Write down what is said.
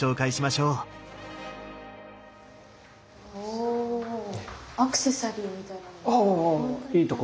おアクセサリーみたいな。